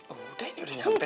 udah ini udah nyampe